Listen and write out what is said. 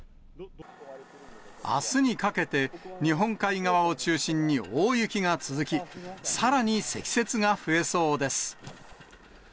あすにかけて、日本海側を中心に大雪が続き、さらに積雪が増えそうです。